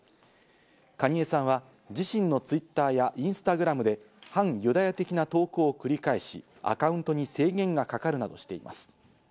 カニエさんは自身のＴｗｉｔｔｅｒやインスタグラムで反ユダヤ的な投稿を繰り返し、アカウントに制限がかかるなどしています。